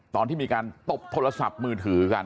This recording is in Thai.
ตอนที่มีการตบโทรศัพท์มือถือกัน